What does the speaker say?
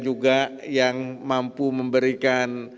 juga yang mampu memberikan